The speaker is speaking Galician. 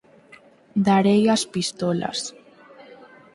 darei as pistolas.